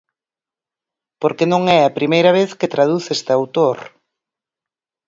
Porque non é a primeira vez que traduce este autor...